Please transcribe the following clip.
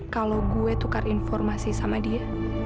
kalau gue tukar informasi sama dia